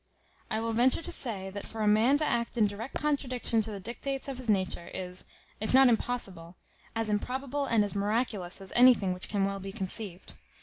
I will venture to say, that for a man to act in direct contradiction to the dictates of his nature, is, if not impossible, as improbable and as miraculous as anything which can well be conceived.